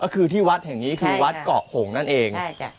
คือที่วัดอย่างนี้คือวัดเกาะโหงนั่นเองใช่ค่ะ